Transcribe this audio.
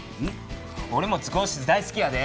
おれも図工室大好きやで。